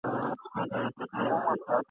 سترګو ژړلي دي ژړلي دي سلګۍ نه لري ..